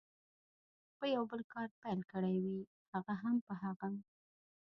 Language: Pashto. په یو بل کار پیل کړي وي، هغه هم په هغه.